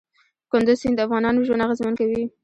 کندز سیند د افغانانو ژوند اغېزمن کوي.